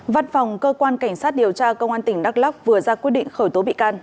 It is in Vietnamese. văn phòng cơ quan cảnh sát điều tra công an tỉnh đắk lóc vừa ra quyết định khởi tố bị can